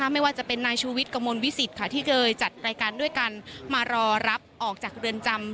ไม่ว่าจะเป็นนายชูวิทย์กระมวลวิสิตค่ะที่เคยจัดรายการด้วยกันมารอรับออกจากเรือนจำ